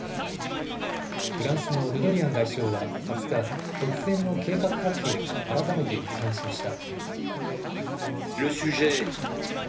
フランスのルドリアン外相は２０日、突然の計画破棄を改めて批判しました。